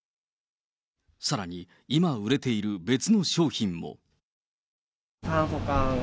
さらに今売れている別の商品も。